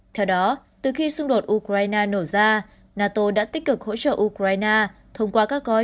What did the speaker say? theo đó từ khi xung đột ukraine nổ ra nato đã tích cực hỗ trợ ukraine thông qua các gói